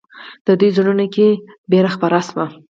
د دوی زړونو کې وېره خپره شوه.